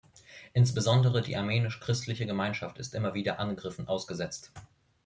Insbesondere die armenisch-christliche Gemeinschaft ist immer wieder Angriffen ausgesetzt.